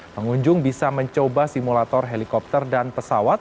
pengunjung bisa mencoba simulator helikopter dan pesawat